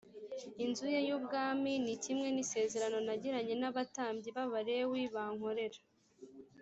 inzu ye y ubwami n kimwe n isezerano nagiranye nabatambyi babalewi bankorera